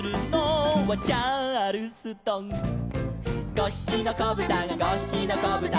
「５ひきのこぶたが５ひきのこぶたが」